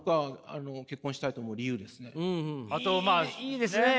いいですね！